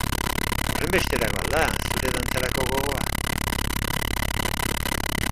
Horrenbesterako al da zure dantzarako gogoa?